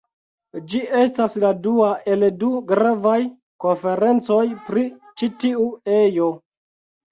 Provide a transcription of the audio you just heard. Ĝi estas la dua el du gravaj konferencoj pri ĉi tiu ejo.